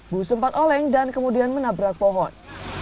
bus sempat oleng dan kemudian menabrak pohon